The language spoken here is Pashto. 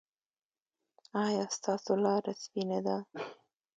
ایا ستاسو لاره سپینه ده؟